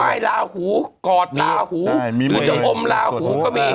ลาหูกอดลาหูหรือจะอมลาหูก็มี